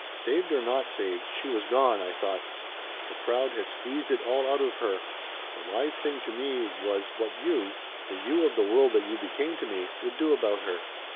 Saved or not saved, she was gone I thought. The crowd had squeezed it all out of her. The live thing to me was what you the You of the world that you became to me would do about her."